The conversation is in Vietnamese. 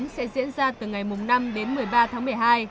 sẽ diễn ra từ ngày năm đến một mươi ba tháng một mươi hai